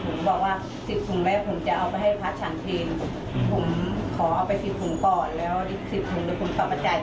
ผมขอเอาไป๑๐ถุงก่อนแล้วนิดสิบถุงเดี๋ยวคุณประมาทใจกับ